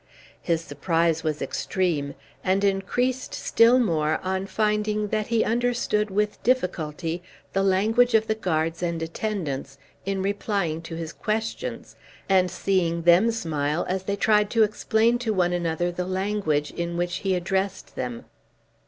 His surprise was extreme, and increased still more on finding that he understood with difficulty the language of the guards and attendants in replying to his questions; and seeing them smile as they tried to explain to one another the language in which he addressed them.